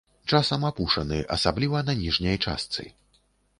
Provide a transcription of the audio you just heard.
Часам апушаны, асабліва на ніжняй частцы.